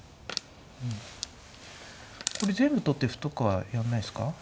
これ全部取って歩とかはやんないですか？